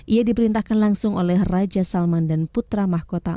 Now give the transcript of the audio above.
ia diperintahkan langsung oleh raja salman dan putra mahkota